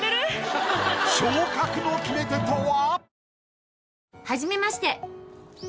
昇格の決め手とは？